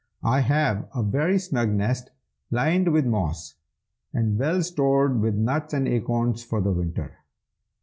I have a very snug nest, lined with moss, and well stored with nuts and acorns for the winter.